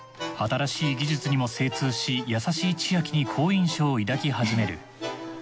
新しい技術にも精通し優しい千秋に好印象を抱き始める。